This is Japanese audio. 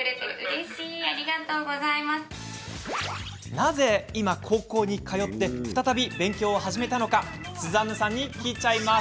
なぜ今、高校に通って再び勉強を始めたのかスザンヌさんに聞いちゃいます。